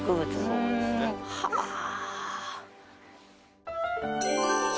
そうですね。はあ。